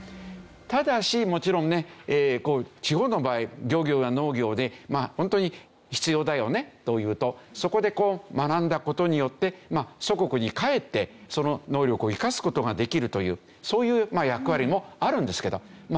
ただしもちろんね地方の場合漁業や農業でホントに必要だよねというとそこでこう学んだ事によって祖国に帰ってその能力を生かす事ができるというそういう役割もあるんですけどまあ